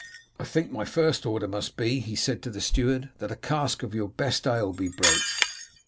"I think my first order must be," he said to the steward, "that a cask of your best ale be broached."